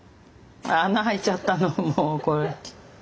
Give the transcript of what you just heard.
穴開いちゃったのもうこれ。